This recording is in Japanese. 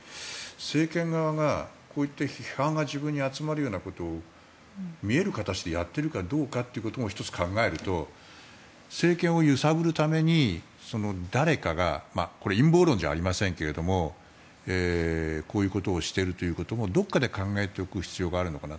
政権側がこういった批判が自分に集まるようなことを見える形でやっているかどうかということも１つ、考えると政権を揺さぶるために誰かがこれ、陰謀論じゃありませんけどこういうことをしているということもどこかで考えておく必要があるのかな。